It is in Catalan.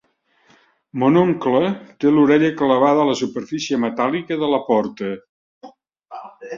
Mon oncle té l'orella clavada a la superfície metàl·lica de la porta.